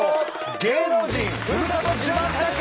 芸能人ふるさと自慢対決！